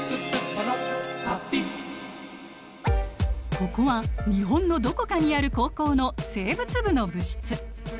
ここは日本のどこかにある高校の生物部の部室。